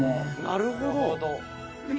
「なるほど！」